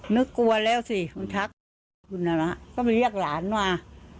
นึกกลัวแล้วสิเขาทักคุณก็ไปเรียกหลานมา